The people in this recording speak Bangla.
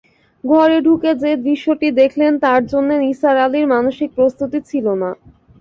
ঘরে ঢুকে যে দৃশ্যটি দেখলেন, তার জন্যে নিসার আলির মানসিক প্রস্তুতি ছিল না।